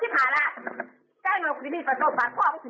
พูดทีไปทีร่วมไม่ส่วนเลย